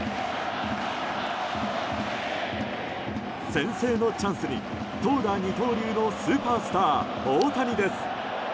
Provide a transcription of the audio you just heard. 先制のチャンスに投打二刀流のスーパースター、大谷です。